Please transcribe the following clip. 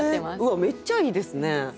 めっちゃいいですね。